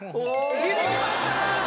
響きました。